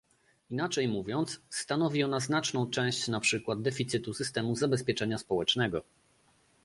Inaczej mówiąc, stanowi ona znaczną część na przykład deficytu systemu zabezpieczenia społecznego